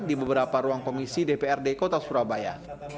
di beberapa ruang komisi dprd kota surabaya